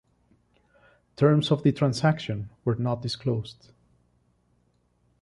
Terms of the transaction were not disclosed.